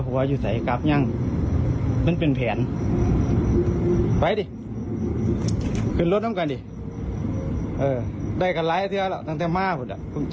ไหนเปิดห้องมาเปิดห้อง